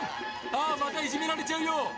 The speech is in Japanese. あまたいじめられちゃうよ！」